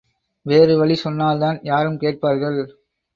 வேறு வழி சொன்னால்தான் யாரும் கேட்பார்கள்.